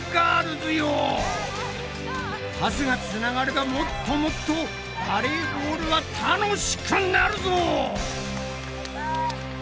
パスがつながればもっともっとバレーボールは楽しくなるぞ！